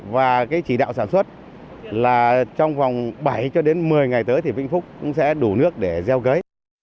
và cái chỉ đạo sản xuất là trong vòng bảy cho đến một mươi ngày tới thì vĩnh phúc cũng sẽ đủ nước để gieo cấy